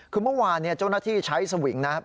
คือเมื่อวานเจ้าหน้าที่ใช้สวิงนะครับ